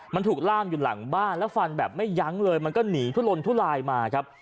มันถูกล่ามอยู่หลังบ้านแล้วฟันแบบไม่ยั้งเลยมันก็หนีทุลนทุลายมาครับ